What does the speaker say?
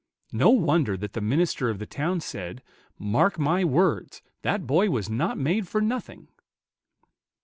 No wonder that the minister of the town said, "Mark my words; that boy was not made for nothing."